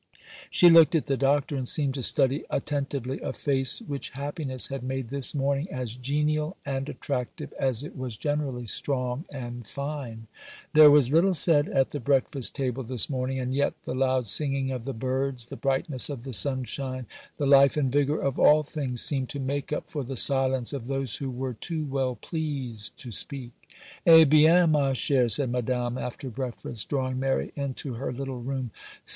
She looked at the Doctor, and seemed to study attentively a face which happiness had made this morning as genial and attractive as it was generally strong and fine. There was little said at the breakfast table this morning; and yet the loud singing of the birds, the brightness of the sunshine, the life and vigour of all things, seemed to make up for the silence of those who were too well pleased to speak. 'Eh bien, ma chère,' said Madame, after breakfast, drawing Mary into her little room.